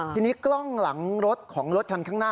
ทีนี้กล้องหลังรถของรถคันข้างหน้า